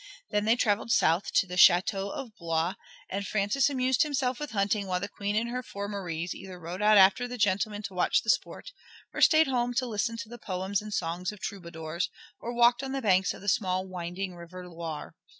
Then they traveled south to the château of Blois, and Francis amused himself with hunting while the Queen and her four Maries either rode out after the gentlemen to watch the sport or stayed at home to listen to the poems and songs of troubadours or walked on the banks of the small winding river Loire.